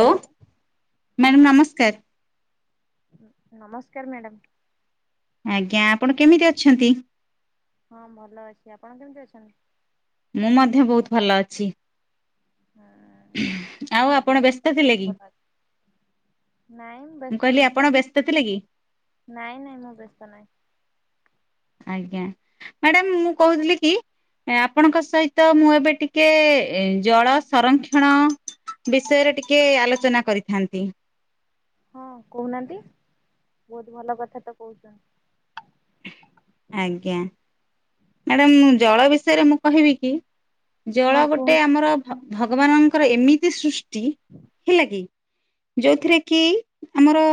Hello ହଁ madam ନମସ୍କାର। [inaudible] ନମସ୍କାର ମ୍ୟାଡ଼ମ୍। ଆଜ୍ଞା ଆପଣ କେମିତି ଅଛନ୍ତି? ହଁ ଭଲ ଅଛି ଆପଣ କେମିତି ଅଛନ୍ତି? ମୁଁ ମଧ୍ୟ ବହୁତ ଭଲ ଅଛି। ହୁଁ ମୁଁ ବି ଆଉ ଆପଣ ମଧ୍ୟ ବ୍ୟସ୍ତ ଥିଲେ ବହୁତ କି? ଭଲ ଅଛି। ନାଇଁ ବ ମୁଁ କହିଲି ଆପଣ ବ୍ୟସ୍ତ ଥିଲେ କି? ନାଇଁ ନାଇଁ ମୁଁ ବ୍ୟସ୍ତ ନାହିଁ। ଆଜ୍ଞା ମ୍ୟାଡାାମ ମୁଁ କହୁଥିଲି କି ଆପଣଙ୍କ ସହିତ ମୁଁ ଏବେ ଟିକେ ଏ ଜଳ ସଂରକ୍ଷଣ ବିଷୟରେ ଟିକେ ଆଲୋଚନା କରିଥାନ୍ତି। ହଁ କହୁନାହାନ୍ତି ବହୁତ ଭଲ କଥା ତ କହୁଛନ୍ତି। ଆଜ୍ଞା। ମ୍ୟାଡ଼ାମ ଜଳ ବିଷୟରେ ମୁଁ କହିବି କି ଜଳ ହଁ ଗୋଟେ କୁହନ୍ତୁ। ଆମର ଭ ଭଗବାନଙ୍କର ଏମିତି ସୃଷ୍ଟି, ହେଲା କି? ଯୋଉଥିରେ କି ଆମର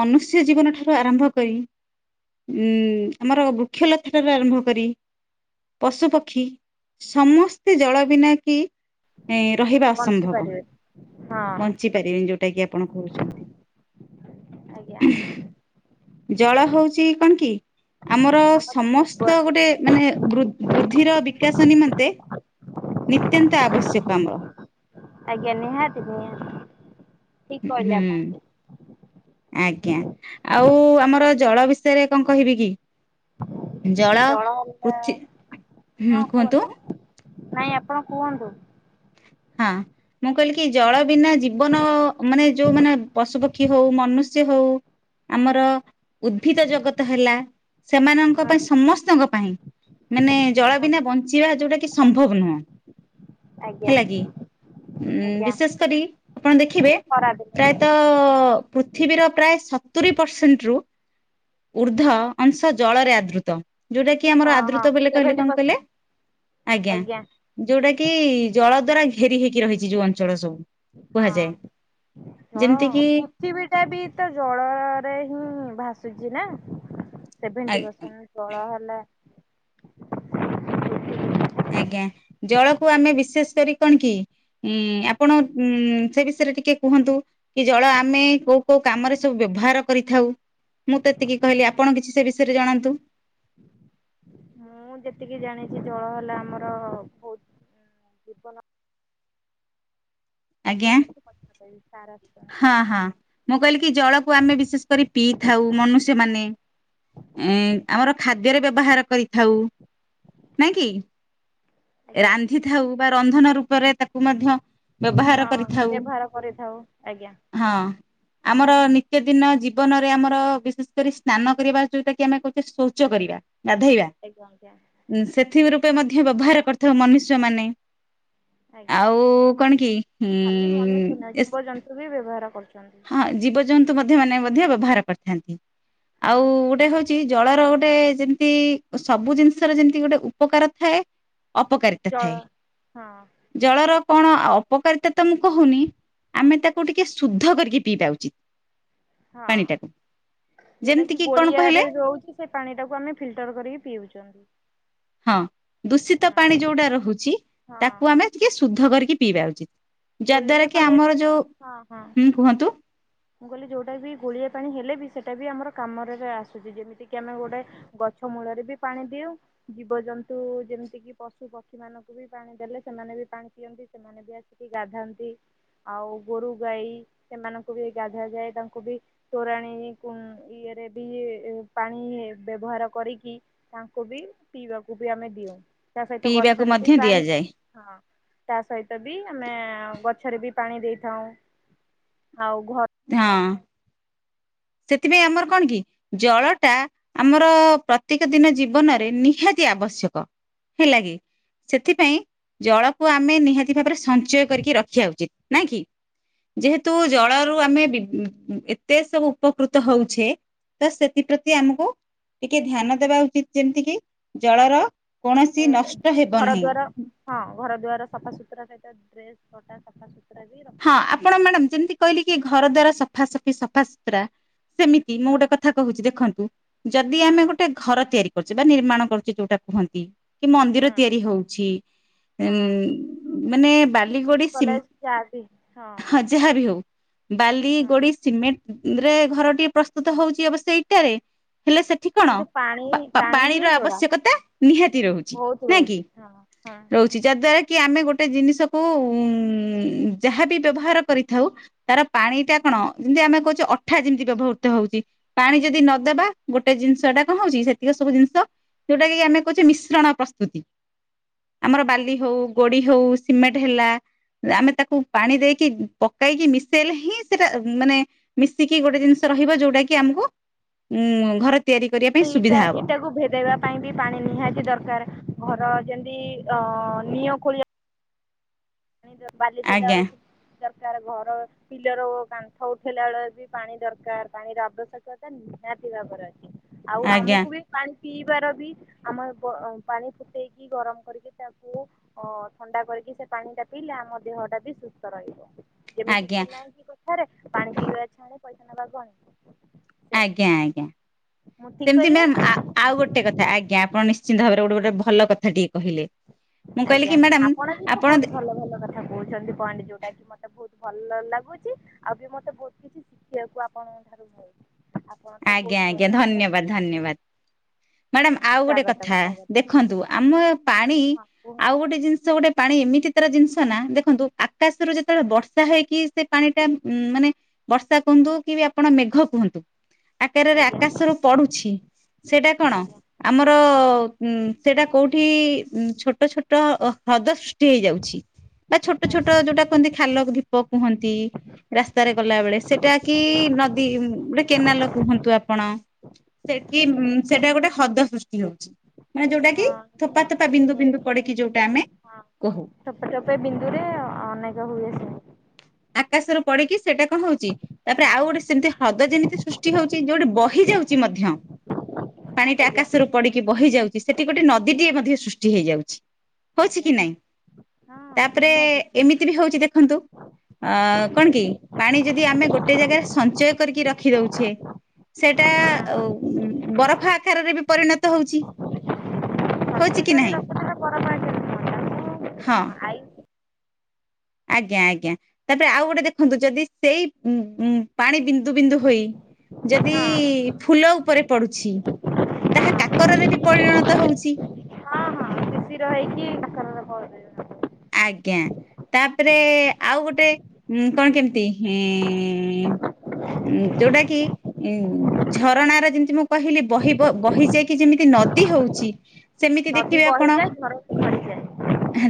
ମନୁଷ୍ୟ ଜୀବନ ଠାରୁ ଆରମ୍ଭ କରି ଉଁ ଆମର ବୃକ୍ଷ ଲତା ଟାରୁ ଆରମ୍ଭ କରି ପଶୁ ପକ୍ଷୀ ସମସ୍ତେ ଜଳ ବିନା କିି ଏଁ ରହିବା ବଞ୍ଚି ଅସମ୍ଭବ ପାରିବେ। ହଁ ବଞ୍ଚି ପାରିବେନି ଯୋଉଟା କି ଆପଣ କହୁଛନ୍ତି। ଆଜ୍ଞା। ଜଳ ହଉଛି କଣ କି? ଆମର ଆମ ସମସ୍ତ ଜୀବନ ଗୋଟେ ମାନେ ବୃ ବୃଦ୍ଧିର ବିକାଶ ନିମନ୍ତେ ନିତ୍ୟାନ୍ତ ଆବଶ୍ୟକ ଆମର। ଆଜ୍ଞା ନିହାତି ନିହାତି। ଠିକ ଉ କହିଲେ ହୁଁ। ଆପଣ ଆଜ୍ଞା ଆଉ ଆମର ଜଳ ବିଷୟରେ କଣ କହିବି କି? ଜଳ ପୃଥି ହୁଁ କୁହନ୍ତୁ। ନାଇଁ ଆପଣ କୁହନ୍ତୁ। ହଁ। ମୁଁ କହିଲି କି ଜଳ ବିନା ଜୀବନ ମାନେ ଯୋଉ ମାନେ ପଶୁପକ୍ଷୀ ହଉ ମନୁଷ୍ୟ ହଉ ଆମର ଉଦ୍ଭିଦ ଜଗତ ହେଲା ସେମାନଙ୍କ ହଁ ପାଇଁ ସମସ୍ତଙ୍କ ପାଇଁ ମାନେ ଜଳ ହଁ ବିନା ବଞ୍ଚିବା ଯଉଟା କି ସମ୍ଭବ ନୁହଁ। ଆଜ୍ଞା। ହେଲା କି ଉଁ ଆଜ୍ଞା ବିଶେଷ କରି ଆପଣ ଦେଖିବେ ଖରାଦିନେ ପ୍ରାୟ ତ ପୃଥିବୀର ପ୍ରାୟ ସତୁରିୀ ପରସେଣ୍ଟରୁ ଉର୍ଦ୍ଧ୍ୱ ଅଂଶ ଜଳରେ ଆଦୃତ। ଯୋଉଟା କି ହଁ ଆମର ହଁ ଆଦୃତ ବୋଲି କହିଲେ ସେଭେଣ୍ଟି କଣ କହିଲେ ପରସେଣ୍ଟ ଆଜ୍ଞା। ଯୋଉଟା କି ଜଳ ଦ୍ଵାରା ଘେରି ହେଇକି ରହିଚି ଯୋଉ ଅଞ୍ଚଳ ସବୁ। ହଁ କୁହାଯାଏ ଯେମିତି କିି ଜଳକୁ ଥିବୀଟା ବି ତ ଜଳରେ ହିଁ ଭାସୁଛି ନା ଆ ସେଭେଣ୍ଟି ପରସେନ୍ ଜଳ ହେଲା ଆଜ୍ଞା ଜଳକୁ ଆମେ ବିଶେଷ କରି କଣ କି ଇଁ ଆପଣ ଉଁ ଉଁ ସେ ବିଷୟେରେ ଟିକେ କୁହନ୍ତୁ କି ଜଳ ଆମେ କୋଉ କୋଉ କାମରେ ସବୁ ବ୍ୟବହାର କରିଥାଉ। ମୁଁ ତ ଏତିକି କହିଲି ଆପଣ କିଛି ସେ ବିଷୟେରେ ଜଣାନ୍ତୁ। ମୁଁ ଯେତିକି ଜାଣିଚି ଜଳ ହେଲା ଆମର ବହୁତ ଜୀବନ ଆଜ୍ଞା କୁହନ୍ତୁ ମୁଁ ପଛରେ କହିବି ସାର ହଁ ହଁ। ମୁଁ କହିଲି କି ଜଳକୁ ଆମେ ବିଶେଷ କରି ପିଇଥାଉ ମନୁଷ୍ୟମାନେ। ଏଁ ଆମର ଖାଦ୍ୟରେ ବ୍ୟବହାର କରିଥାଉ ନାଇଁ କିି। ଆଜ୍ଞା। ରାନ୍ଧିଥାଉ ବା ରନ୍ଧନ ରୂପରେ ତାକୁ ମଧ୍ୟ ବ୍ୟବହାର ହଁ କରିଥାଉ ବ୍ୟବହାର କରିଥାଉ ଆଜ୍ଞା। ହଁ। ଆମର ନିତ୍ୟ ଦିନ ଜୀବନରେ ଆମର ବିଶେଷ କରି ସ୍ନାନ କରିବା ଯେଉଟା କି ଆମେ କହୁଚେ ଶୌଚ କରିବା। ଗାଧେଇବା। ଆଜ୍ଞା ଆଜ୍ଞା। ଉଁ ସେଥି ରୂପେ ମଧ୍ୟ ବ୍ୟବହାର କରିଥାଉ ମନୁଷ୍ୟମାନେ ଆଜ୍ଞା। ଆଉ କଣ କି ହୁଁ ଏସ୍ ସେ ବି ବ୍ୟବହାର କରୁଛନ୍ତି। ଆ ଜୀବଜନ୍ତୁ ମଧ୍ୟ ମାନେ ମଧ୍ୟ ବ୍ୟବହାର କରିଥାନ୍ତି ଆଉ ହଁ ଗୋଟେ ହଉ ଚି ଜଳର ଗୋଟେ ଯେମତି ସବୁ ଜିନିଷର ଯେମତି ଗୋଟେ ଉପକାର ଥାଏ ଅପକାରିତ ଜଳ ଥାଏ। ହଁ ଜଳର କଣ ଆ ଅପକାରିତା ତ ମୁଁ କହୁନି ଆମେ ତାକୁ ଟିକେ ଶୁଦ୍ଧ କରି କି ପିଇବା ଉଚିତ୍। ହଁ ଯୋଉଟା ଯେମିତି କି କିି କଣ କହିଲେ ଗୋଳିଆରେ ରହୁଚି ସେ ପାଣିଟାକୁ ଆମେ ଫିଲ୍ଟର୍ କରିକି ପିଉଚନ୍ତି। ହଁ ଦୂଷିତ ପାଣି ଯୋଉଟା ରହୁଚି ହଁ ତାକୁ ଆମେ ଟିକେ ଶୁଦ୍ଧ କରିକି ପିଇବା ଉଚିତ୍। ଯା ଗୋଳିଏ ଦ୍ୱାରା କି ପାଣି ଆମର ଯୋଉ ହଁ ହଁ। ହୁଁ କୁହନ୍ତୁ। ମୁଁ କହିଲି ଯୋଉଟା ବି ଗୋଳିଆ ପାଣି ହେଲେ ବି ସେଟା ବି ଆମର କାମରେରେ ଆସୁଚି ଯେମିତିକି ଆମେ ଗୋଟେ ଗଛ ମୂଳେରେ ବି ପାଣି ଦିଉ। ଜୀବଜନ୍ତୁ ଯେମିତିକିି ପଶୁ ପକ୍ଷୀମାନଙ୍କୁ ବି ପାଣି ଦେଲେ‌ ସେମାନେ ବି ପାଣି ପିଅନ୍ତି ସେମାନେ ବି ଆ ସିକି ଗାଧାନ୍ତି ଆଉ ଗୋରୁ ଗାଈ ସେମାନଙ୍କୁ ବି ଗାଧାଯାଏ ତାଙ୍କୁ ବି ତୋରାଣୀ କୁ ଉଁ ଇଏରେ ବି ଏ ପାଣି ବ୍ୟବହାର କରିକି ତାଙ୍କୁ ବି ପିଇବାକୁ ବି ଆମେ ଦିଉଁ ତା ସହିତ ପିଇବାକୁ ଗଛରେ ବି ମଧ୍ୟ ପାଣି ଦିଆଯାଏ ହଁ ତା ସହିତ ବି ଆମେ ଆଉ ଗଛେରେ ବି ପାଣି ଦେଇଥାଉଁ ଆଉ ଘ ଧଁ ସେଥିପାଇଁ ଆମର କଣ କି ଜଳଟା ଆମର ପ୍ରତ୍ୟେକ ଦିନ ଜୀବନରେ ନିହାତି ଆବଶ୍ୟକ ହେଲା କିି। ସେଥିପାଇଁ ଜଳକୁ ଆମେ ନିହାତି ଭାବେରେ ସଞ୍ଚୟ କରିକି ରଖିଆ ଉଚିତ୍ ନାଇଁ କି। ଯେହେତୁ ଜଳରୁ ଆମେ ବି ଉଁ ଉଁ ଏତେ ସବୁ ପକୃତ ହଉଛେ ତ ସେଥିପ୍ରତି ଆମୁକୁ ଟିକେ ଧ୍ୟାନ ଦେବା ଉଚିତ୍ ଯେମତିକିି ଜଳର ଏ କୌଣସି ନଷ୍ଟ ହେବ ଘର ନାହିଁ। ଦ୍ୱାର ହଁ ଘର ଦ୍ୱାର ସଫା ଶୁତୁର ସହିତ ଡ୍ରେସ ପଟା ସଫା ସୁତୁରା ବି ରଖ। ହଁ ଆପଣ ମ୍ୟାଡ଼ାମ ଯେମିତି କହିଲେ କି ଘର ଦ୍ଵାରା ସଫା ଶଫି ସଫା ଶୁତୁରା ସେମି ତି ମୁଁ ହଁ ଗୋଟେ କଥା କହୁଛି ଦେଖନ୍ତୁ ଯଦି ହଁ ଆମେ ଗୋଟେ। ଘର ତିଆରି କରୁଛେ ବା ନିର୍ମାଣ କରୁଛି ଯୋଉଟା, କୁହନ୍ତି। କି ମନ୍ଦିର ହଁ। ତିଆରି ହଉଛି ହଁ। ଏନ୍ ମାନେ ବାଲି ଗୋଡି ସି- ଯାହାବି ହଁ। ଯାହା ବି ହଉ ବାଲି ହଁ ଗୋଡି। ସିମେଣ୍ଟ ରେ ଘର ଟିଏ ପ୍ରସ୍ତୁତ ହଉଛି ଅବଶ୍ୟ ଇଟାରେ ହେଲେ ସେଠି। କଣ କିନ୍ତୁ ପାଣି ପା ପାଣି ହିଁ ପାଣିର ଲୋଡା ଆବଶ୍ୟକତା ନିହାତି ରହୁଛି ବହୁତ ନା କି ରହୁଛି। ହଁ ହଁ। ରହୁ ଚି ଯା ଦ୍ଵାରା କି ଆମେ ଗୋଟେ ଜିନିଷକୁ ଉଁ ଯାହାବି ବ୍ୟବହାର କରିଥାଉ। ତାର ପାଣି ଟା କଣ ଯେମିତି ଆମେ କହୁଛେ ଅଠା ଯେମିତି ବ୍ୟବହୃତ ହଉଛି। ପାଣି ଯଦି ନଦେବା ଗୋଟେ ଜିନିଷ ଟା କଣ ହଉଛି ସେତିକି ସବୁ ଜିନିଷ। ଯୋଉଟା କି ଆମେ କହୁଛେ ମିଶ୍ରଣ ପ୍ରସ୍ତୁତି। ଆମର ବାଲି ହଉ ଗୋଡି ହଉ ସିମେଣ୍ଟ ହେଲା ଆମେ ତାକୁ। ପାଣି ଦେଇକି ପକେଇକି ମିଶେଇଲେ ହିଁ ସେଟା ମାନେ। ମିଶିକି ଗୋଟେ ଜିନିଷ ରହିବ ଯୋଉଟା କି ଆମକୁ ଉଁ ଘରେ ସେଇଟା ଇଟାକୁ ଭେଦେଇବା। ପାଇଁ ବି ପାଣି ନିହାତି ଦରକାର ଘର ଯେମିତି ଅଁ ନିଅଁ ଖୋଳିବା। ପାଣି ବାଲି ଦେଲା ଆଜ୍ଞା ବେଳକୁ ଦରକାର ଘର। ପିଲର ଓ କାନ୍ଥ ଉଠେଇଲା ବେଳେ ବି ପାଣି ଦରକାର ପାଣିର ଆବଶ୍ୟକତା ନିହାତି ଭାବରେ ଅଛି। ଆଉ ଆଜ୍ଞା ଆମକୁ ବି। ପାଣି ପିଇବାର ବି ଆମର ବ ପାଣି ଫୁଟେଇକି ଗରମ କରିକି ତାକୁ। ଓ ଥଣ୍ଡା କରିକି ସେ ପାଣି ଟା। ପିଇ ଲେ ଆମ ଦେହଟା ବି ସୁସ୍ଥ ରହିବ ଯେମିତି ଆଜ୍ଞା କିି ନାଇଁ କି କଥାରେ ରେ ପାଣି ପିଇଛା ପଇସା ନବା ଗଣି। ଆଜ୍ଞା ଆଜ୍ଞା ସେମିତି କହିଲି ନା ମ୍ୟାମ୍ ଆ ଆଉ ଗୋଟେ କଥା ଆଜ୍ଞା ଆପଣ ନିଶ୍ଚିନ୍ତ ଭାବରେ ଗୋଟେ ଗୋଟେ ଭଲ କଥା ଟିକେ କହିଲେ। ମୁଁ କହିଲି ଆଜ୍ଞା କି ମ୍ୟାଡାମ ଆପଣ ବି ତ ବହୁତ ଭଲ ଭଲ କଥା। କଥା କହୁଛନ୍ତି ପଏଣ୍ଟ ଯୋଉଟା କି ମତେ ବହୁତ ଭଲ ଲାଗୁଛି ଆଉ ବି ମୋତେ ବହୁତ କିଛି‌ ସି ଶିକ୍ଷିବାକୁ ଆପଣଙ୍କ ଠାରୁ। ମିଳୁଛି। ଆପଣ ତ ବହୁତ ଆଜ୍ଞା ଆଜ୍ଞା ବଢିଆ ବଢିଆ ଧନ୍ୟବାଦ ଧନ୍ୟବାଦ ମ୍ୟଡ଼ାମ ହଁ ଆଉ ଗୋଟେ ସ୍ଵାଗତମ କଥା ସ୍ଵାଗତ ଦେଖ ଦେଖନ୍ତୁ ଆମ ପାଣି। ହଁ କୁହନ୍ତୁ ଆଉ ଗୋଟେ ଜିନିଷ ଗୋଟେ ପାଣି ଏମିତି ତାର ଜିନିଷ ନା ଦେଖନ୍ତୁ ଆକାଶରୁ ଯେତେବେଳେ ବର୍ଷା ହୋଇକି। ସେ ପାଣି ଟା ଉଁ ମାନେ ବର୍ଷା କୁହନ୍ତୁ କି ଆପଣ ମେଘ କୁହନ୍ତୁ। ଆକାରରେ ଆଜ୍ଞା ଆକାଶରୁ ପଡୁଛି ସେଇଟା କଣ। ଆଜ୍ଞା ଆମର ଉଁ ସେଇଟା କୋଉଠି ଉଁ ଛୋଟ ଛୋଟ ହ୍ରଦ ସୃ ଷ୍ଟି ହେଇ ଯାଉଛି ବା ଛୋଟ ଛୋଟ ଆଜ୍ଞା ଯୋଉଟା। କୁହନ୍ତି ଖାଲ ଢୀପ କୁହନ୍ତି ରାସ୍ତାରେ ଗଲାବେେଳେ ସେଟା କି ନଦୀ। କେନାଲ କୁହନ୍ତୁ ଆପଣ ସେ କି ସେଇଟା ଗୋଟେ ହଦ ସୃଷ୍ଟି ହଉଛି। ମାନେ ଯୋଉଟା କି ହଁ ଥୋପା ଥୋପା ନିହାତି ବିନ୍ଦୁ ବିନ୍ଦୁ ନିହାତି ପଡକି ଯୋଉଟା ଆମେ ହଁ କହୁ। ଟୋପେ ଟୋପେ ବିନ୍ଦୁ ରେ ଅନେକ ହୁଏ ସି ଆକାଶ ରୁ ପଡିକି ସେଟା କଁ ହଉଛି। ତାପରେ ହଁ ଆଉ ଗୋଟେ ସେମିତି ହ୍ରଦ ଯେମିତି ସୃଷ୍ଟି ହଉଛି ଯୋଉ ଗୋଟେ ବହି ଯାଉଛି ମଧ୍ୟ। ପାଣିଟା ଆଜ୍ଞା ଆକାଶରୁ ପଡିକି ବହି ଯାଉଛି ସେଠି ଗୋଟେ ହଁ ନଦୀଟିଏ ମଧ୍ୟ ସୃଷ୍ଟି ହେଇଯାଉଛି। ହଉଛି ଆଜ୍ଞା କି ନହିଁ ହଁ ତାପରେ ନିହାତି ଏମିତି ବି ହଉଛି ଦେଖନ୍ତୁ ଅ କଣ କି ପାଣି ଯଦି ଆମେ ଗୋଟେ ଜାଗାରେ ସଞ୍ଚୟ କରିକି ରଖିଦଉଛେ। ସେଇଟା ବରଫ ଆକାରରେ ବି ପରିଣତ ହଉଛି। ହଉଛି କି ବାେଶ୍ଵରୀ ନାହିଁ ରଥନ ପରମାାଗ [unintelligible] ହଁ। ଆଜ୍ଞା ଆଜ୍ଞା ତାପରେ ଆଉ ଗୋଟେ ଦେଖନ୍ତୁ ଯଦି ସେଇ ଉ ଉ ପାଣି ବିନ୍ଦୁ ବିନ୍ଦୁ ହୋଇ ଯଦି ହଁ ଫୁଲ ଉପରେ ପଡୁଛି। ତାହା ହଁ କାକରରେ ବି ପରିଣତ ହଉଛି। ସିିସି ର ହେଇକି କ କାକ ର ରେ [inaudible] ଆଜ୍ଞା। ତାପରେ ଆଉ ଗୋଟେ ଉ କଣ କେମିତି ହିଁ ଉଁ ଯୋଉଟା କି ଉଁ ଝରଣ ର ଯେମିତି ମୁଁ କହିଲି ବହି ବହି ଯାଇକି ଯେମିତି ନଦୀ ହଉଛି। ସେମିତି ନଦୀ ଦେଖିବେ ଆପଣ ବହିଯାଏ ଘର ବହିଯାଏ।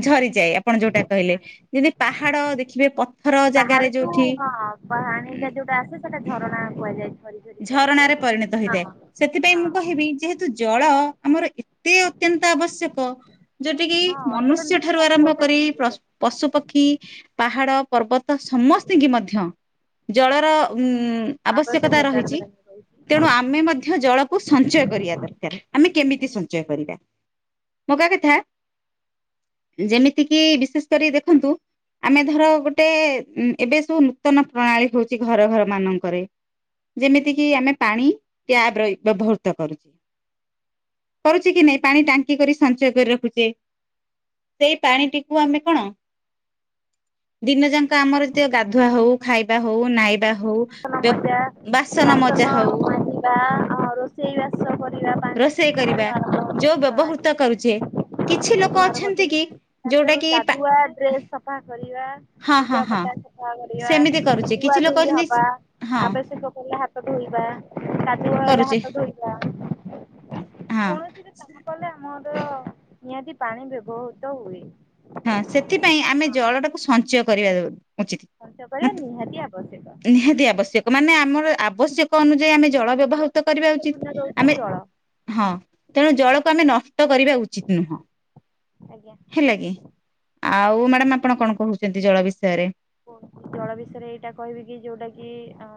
ଝରିଯାଏ ଆପଣ ଯୋଉଟା କହିଲେ ଯଦି ପାହାଡ ଦେଖିବେ ପ ବାହାଡକୁୁ ହଁ ଉଁ ପାଣିଟା ଯୋଉଟା ଆସେ ସେଟା ଝରଣା କୁହାଯାଇଛି। ଝରଣାରେ ପରିଣତ ହେଇଥାଏ ସେଥିପାଇଁ ହଁ ମୁଁ କହିବି ଯେହେତୁ ଜଳ ଆମର ଏତେ ଅତ୍ୟନ୍ତ ଆବଶ୍ୟକ। ଯୋଉଠି କିି ହଁ ମନୁଷ୍ୟ ଅତ୍ୟଧିକ ଠାରୁ ଆରମ୍ଭ ଉପକାରୀ କରି ପ କରିଯାଏ। ପଶୁପକ୍ଷୀ ପାହାଡ଼ ପର୍ବତ ସମସ୍ତିଙ୍କୁ ମଧ୍ୟ ଜଳର ଉଁମ ଆବଶ୍ୟକତା ରହିଛି। ତେଣୁ ଆମେ ମଧ୍ୟ ଜଳକୁ ସଞ୍ଚୟ କରିବା ଦରକାର ଆମେ କେମିତି ସଞ୍ଚୟ ନିଶ୍ଚିତ କରିବା? ମଗା କଥା ଯେମିତିକି ବିଶେଷ କରି ଦେଖନ୍ତୁ। ଆମେ ଧର ଗୋଟେ ଏବେ ସବୁ ନୂତନ ପ୍ରଣାଳୀ ହଉଛି ଘର ଘର ମାନଙ୍କରେ। ଯେମିତି କିି ଆମେ ପାଣି ଟ୍ୟାବ ର ବ୍ୟବହୃତ କରୁଛେ। କରୁଛି କି ନାଇଁ ପାଣି ଟାଙ୍କି କରି ସଞ୍ଚୟ କରି ରଖୁଛେ। ସେଇ ପାଣିଟିକୁ ଆମେ କଣ? ଦିନ ଯାଙ୍କ ଆମର ଯେତିକ ଗାଧୁଆ ହଉ ଖାଇବା ହଉ ନାଇବା ହଉ। ସାନ [unintelligible] ମଜା ବାସନ ମଜା ହଉ। ଚୂଡ଼ା ଆଉ ରୋଷ ସେଇ ବାସ କରିବା ପାଣି ରୋଷେଇ କରିବା ପିଇବା ଆ ଆରମ୍ ଯୋଉ ଆ ବ୍ୟବହୃତ କରୁଛେ [unintelligible] କିଛି ଲୋକ ବ୍ୟବହାର ଅଛନ୍ତି କରୁଥିଲି କି ତାପରେ ଯୋଉଟା କି ପା ଗାଧୁଆ ଡ୍ରେସ ସଫା କରିବା। ହଁ ହଁ ଲୁଗା ହଁ ପଟା ସଫା କରିବା ସେମିତି କରୁଛେ ଧୁଆ କିଛି ଲୋକ ଧୋଇ ଅଛନ୍ତି ହବା। ହଁ ଆବଶ୍ୟକ ପଡିଲେ ହାତ ଧୋଇବା କାଦୁଅ ହେଲେ କରୁଛେ ହାତ ଧୋଇବା। ହଁ। କୌଣସି ବି କାମ କଲେ ଆମର ନିହାତି ପାଣି ବ୍ୟବହୃତ ହୁଏ। ହଁ ସେଥିପାଇଁ ଆମେ ହଁ ଜଳଟାକୁ ସଞ୍ଚୟ କରିବା ଉଚିତ ସଞ୍ଚୟ କରିବା ନିହାତି ଆବଶ୍ୟକ ନତ ନିହାତି ଆବଶ୍ୟକ ମାନେ ଆମର ଆବଶ୍ୟକ ଅନୁଯାୟୀ ଆମେ ଜଳ ବହୁତ ବ୍ୟବହୃତ କରିବା ଗୁରୁତ୍ୱପୂର୍ଣ୍ଣ ଉଚିତ ରହୁଛି ଆମେ ଜଳ ହଁ ତେଣୁ ଜଳକୁ ଆମେ ନଷ୍ଟ କରିବା ଉଚିତ ନୁହଁ ଆଜ୍ଞା ହେଲା କି ଆଉ ଆଜ୍ଞା ମ୍ୟାଡ଼ାମ ଆପଣ କଣ କହୁଛନ୍ତି ଜଳ ବିଷୟରେ? କ ଜଳ ବିଷୟରେ ଏଇଟା କହିବି କି ଯୋଉଟା କି ଅ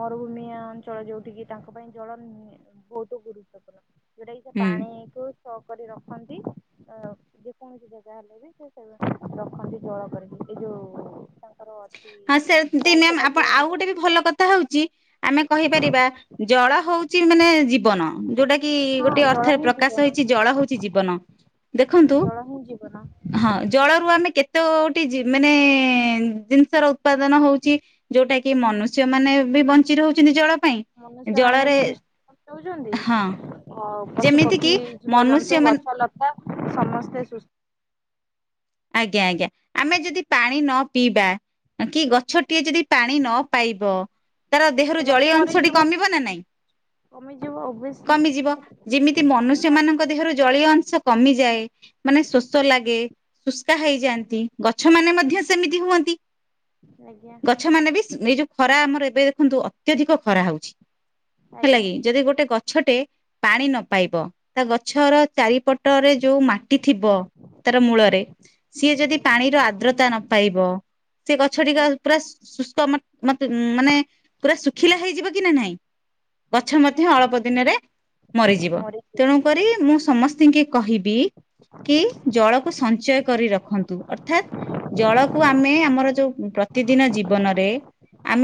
ମରୁଭୂମିଆ ଅଞ୍ଚଳ ଯୋଉଠି କିି ତାଙ୍କ ପାଇଁ ଜଳ ବହୁତ ଗୁରୁତ୍ୱପୂର୍ଣ୍ଣ। ଯୋଉଟା କି ସେ ହୁଁ ପାଣି କୁ ସ କରି ରଖନ୍ତି ଅ ଯେକୌଣସି ଜାଗା ହେଲେ ବି। ସିଏ ସେମିତି ରଖନ୍ତି ତାଙ୍କର ଝୋଳ କରିକି ଏଇ ଯୋଉ ତାଙ୍କର ଅଛି ହଁ ସେମିତି କଣ ମେମ୍ ସେଟା ଆପଣ ଆଉ କୁହନ୍ତି ଗୋଟେ ବି ଭଲ କ ତାହା ହଉଛି ଆମେ କହିପାରିବା ଜଳ ହଉଛି ମାନେ ଜୀବ ଜୀବନ ଯୋଉଟା କି ହଁ ଗୋଟେ ଜଳ ଅର୍ଥରେ ହିଁ ପ୍ରକାଶ ଜୀବନ ହେଉଛି ଜଳ ହଉଛି ଜୀବନ। ଦେଖନ୍ତୁ ଜଳ ହିଁ ଜୀବନ ହଁ ଜଳରୁ ଆମେ କେତୋଟି ଜି ମାନେ ଜେ ତାର ଉତ୍ପାଦନ ହଉଛି ଯୋଉଟାକି ମନୁଷ୍ୟ ମାନେ ବି ବଞ୍ଚି ରହୁଛନ୍ତି ଜଳ ପାଇଁ। ମନୁଷ୍ୟ ମାନେ ବି ଜଳରେ ସୁସ୍ଥ ଆଉଛନ୍ତି। ହଁ ହଉ ପଶୁ ଯେମିତି କିି ପକ୍ଷୀ ମନୁଷ୍ୟ ଜୀବଜନ୍ତୁ ମାନେ ଗଛ ଲତା ସମସ୍ତେ ସୁସ୍ ଆଜ୍ଞା ଆଜ୍ଞା ଆମେ ଯଦି ପାଣି ନ ପିଇବା କି ଗଛଟିଏ ଯଦି ପାଣି ନ ପାଇବ? ତାର ଦେହରୁ ସେ ଗଛ ଜଳୀୟ ଅଂଶଟି ମରିଯିବ କମିବ ନା ନାଇଁ? କମିଯିବ ଓବିୟସଲି କମିଯିବ ଯେମିତି ମନୁଷ୍ୟ ନିହାତି ମାନଙ୍କ ଦେହରୁ ନିଶ୍ଚିତ ଜଳୀୟ ଅଂଶ କମିଯାଏ ମାନେ ଶୋଷ ଲାଗେ ଶୁଷ୍କା ହେଇଯାଆନ୍ତି ଗଛ ମାନେ ମଧ୍ୟ ସେମିତି ହୁଅନ୍ତି। ଆଜ୍ଞା ଗଛ ମାନେ ବି ସେ ଏଇ ଯୋଉ ଖରା ଆମର ଏବେ ଦେଖନ୍ତୁ ଅତ୍ୟଧିକ ଖରା ହଉଛି। ହେଲା ଆଜ୍ଞା କିି ଯଦି ଗୋଟେ ଗଛଟେ ପାଣି ନ ପାଇବ ତା ଗଛର ଚାରି ପଟରେ ଯୋଉ ମାଟି ଥିବ ତାର ମୂଳରେ ରେ ସିଏ ଯଦି ଆଜ୍ଞା ପାଣିର ଆର୍ଦ୍ରତା ନ ପାଇବ ସେ ଗଛ ଟିକ ଆଜ୍ଞା ପୁରା ସୁ ଶୁଷ୍କ ମେ ମତେ ମାନେ ପୁରା ଶୁଖିଲା ହେଇଯିବ କି ନା ନାହିଁ। ଗଛ ଆଜ୍ଞା ମଧ୍ୟ ଅଳ୍ପ ଦିନରେ ମରିଯିବ ମୋର ତେଣୁ ତେଣୁ ମୁଁ ସମସ୍ତଙ୍କୁ କହିବୁ ଜଳକୁ ସଞ୍ଚ ସଞ୍ଚୟ କରି ରଖନ୍ତୁ ଅର୍ଥାତ୍ ଜଳକୁ ଆମେ ଆମର ଯୋଉ ପ୍ରତିଦିନ ଜୀବନରେ ଆମେ